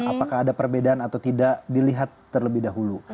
apakah ada perbedaan atau tidak dilihat terlebih dahulu